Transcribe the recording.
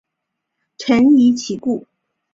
臣疑其故。